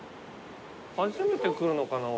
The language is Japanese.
初めて来るのかな俺。